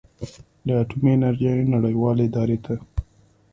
د اټومي انرژۍ نړیوالې ادارې ته